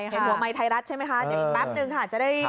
เห็นหัวไมค์ไทยรัฐใช่ไหมคะเดี๋ยวอีกแป๊บนึงค่ะจะได้